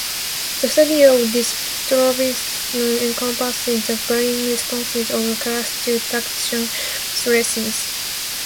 The study of diastrophism encompasses the varying responses of the crust to tectonic stresses.